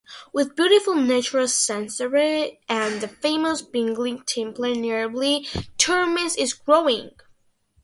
With beautiful natural scenery and the famous Bingling Temple nearby, tourism is growing.